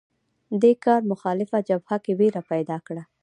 دې کار مخالفه جبهه کې وېره پیدا کړه